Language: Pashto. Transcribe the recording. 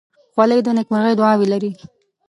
خولۍ د نیکمرغۍ دعاوې لري.